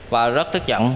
và rớt tức giận